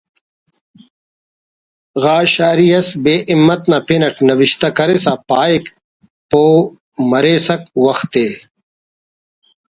غا شاعری اس ”بے ہمت“ نا پن اٹ نوشتہ کرسا پاہک: پُہہ مریسک وخت ءِ